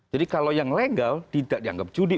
jadi kalau yang legal tidak dianggap judi